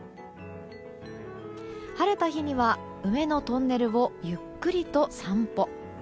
晴れた日には梅のトンネルをゆっくりと散歩。